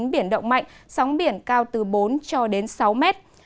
biển động mạnh sóng biển cao từ bốn cho đến sáu mét